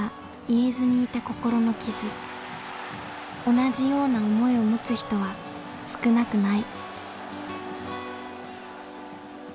同じような思いを持つ人は少なくない。